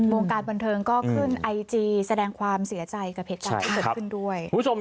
วงการบนเทิงก็ขึ้นไอจีแสดงความเสียใจกับเพลงกันขึ้นด้วย